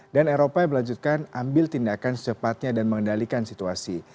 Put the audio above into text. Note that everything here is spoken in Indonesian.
dan eropa yang melanjutkan ambil tindakan secepatnya dan mengendalikan situasi